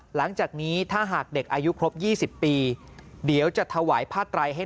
หลังจากนี้ถ้าหากเด็กอายุครบ๒๐ปีเดี๋ยวจะถวายผ้าไตรให้